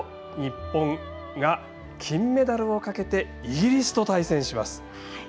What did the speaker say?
日本が金メダルをかけてイギリスと対戦します。